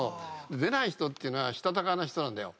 出ない人っていうのはしたたかな人なんだよ。